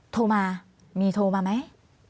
โทรมามีโทรมาไหม